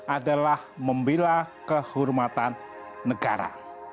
adalah membela kehormatan negara